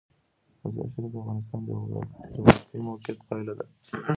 مزارشریف د افغانستان د جغرافیایي موقیعت پایله ده.